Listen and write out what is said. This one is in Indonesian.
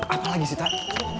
apalagi sih tak